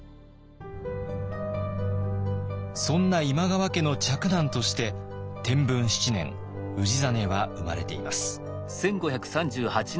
そんな今川家の嫡男として天文７年氏真は生まれています。